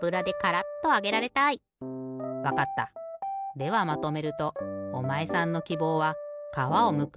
ではまとめるとおまえさんのきぼうは「かわをむく」